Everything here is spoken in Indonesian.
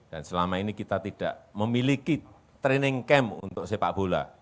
dan selama ini kita tidak memiliki training camp untuk sepak bola